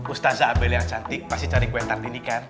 ustazah abel yang cantik pasti cari kue tart ini kan